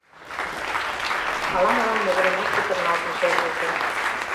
Ала-молан могыремат чытырналтын шергылте.